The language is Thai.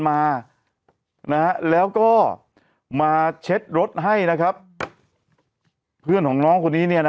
มานะฮะแล้วก็มาเช็ดรถให้นะครับเพื่อนของน้องคนนี้เนี่ยนะ